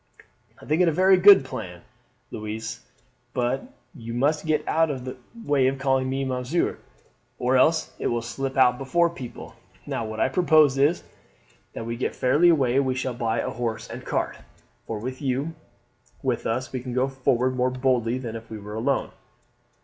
"I think it a very good plan, Louise, but you must get out of the way of calling me monsieur or else it will slip out before people. Now what I propose is, that when we get fairly away we shall buy a horse and cart, for with you with us we can go forward more boldly than if we were alone.